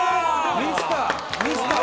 ミスター！